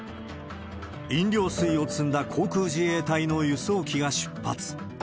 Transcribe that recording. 飲料水を積んだ航空自衛隊の輸送機が出発。